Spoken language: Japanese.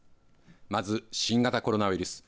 まず、新型コロナウイルス。